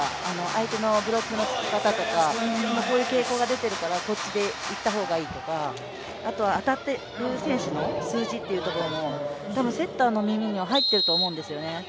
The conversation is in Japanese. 相手のブロックのつき方とか、今こういう傾向が出ているから、こっちでいった方がいいとか、あと当たってる選手の数字も、多分セッターの耳には入ってると思うんですよね。